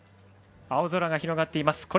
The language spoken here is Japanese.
青空が広がっています。